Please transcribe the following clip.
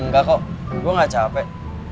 enggak kok gue gak capek